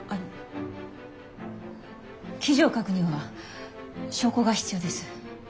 記事を書くには証拠が必要です。